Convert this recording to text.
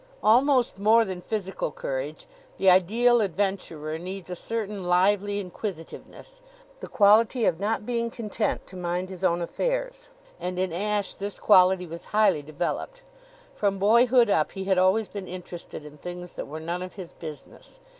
Almost more than physical courage, the ideal adventurer needs a certain lively inquisitiveness, the quality of not being content to mind his own affairs; and in Ashe this quality was highly developed. From boyhood up he had always been interested in things that were none of his business.